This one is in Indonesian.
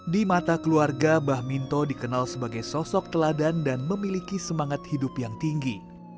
di mata keluarga bah minto dikenal sebagai sosok teladan dan memiliki semangat hidup yang tinggi